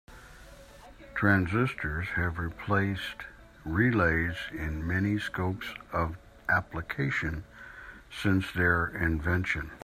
Transistors have replaced relays in many scopes of application since their invention.